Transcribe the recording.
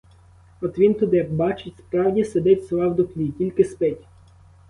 От він туди, — бачить, справді сидить сова в дуплі, тільки спить.